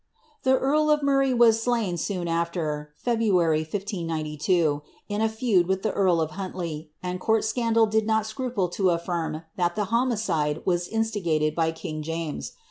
The earl of .Murray was slain soon after, (February, 1592,) in a ffuJ with the carl of Ilutitley, and courl scandal did not scruple to airirm llul the homicide was instigated by king James.